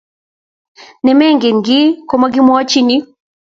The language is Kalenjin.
ne mengen kii ko makimwachin